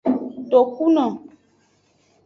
Tokuno.